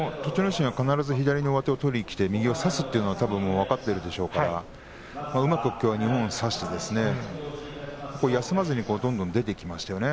心は必ず左の上手を取りにきて右を差すというのが分かっているでしょうからきょうはうまく二本差して休まずにどんどん出ていきましたよね。